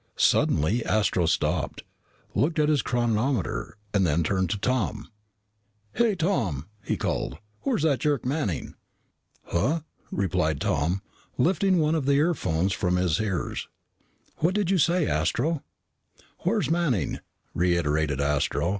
Suddenly Astro stopped, looked at his chronometer, then turned to Tom. "Hey, Tom!" he called. "Where's that jerk, Manning?" "Huh?" replied Tom, lifting one of the earphones from his ears. "What did you say, Astro?" "Where's Manning?" reiterated Astro.